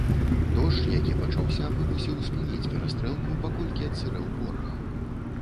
Дождж, які пачаўся вымусіў спыніць перастрэлку, паколькі адсырэў порах.